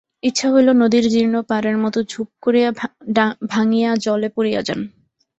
ইচ্ছা হইল নদীর জীর্ণ পাড়ের মতো ঝুপ করিয়া ভাঙিয়া জলে পড়িয়া যান।